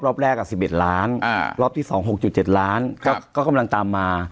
รอบแรก๑๑ล้านรอบที่๒๖๗ล้านก็กำลังตามมา